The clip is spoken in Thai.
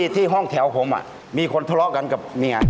ที่ห้องแถวผมมีคนทะเลาะกันกับเมีย